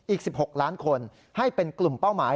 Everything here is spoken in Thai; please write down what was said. อีก๑๖ล้านคนให้เป็นกลุ่มเป้าหมาย